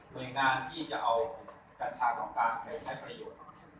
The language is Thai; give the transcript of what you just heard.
หน่วยงานที่จะเอากันศาของกากไฟใช้ประโยค